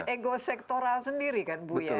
ego sektoral sendiri kan bu ya